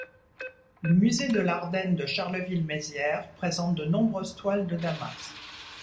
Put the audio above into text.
Le Musée de l'Ardenne de Charleville-Mézières présente de nombreuses toiles de Damas.